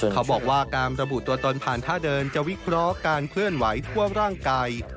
เขาบอกว่าการระบุตัวตนผ่านท่าเดินจะวิเคราะห์การเคลื่อนไหวทั่วร่างกาย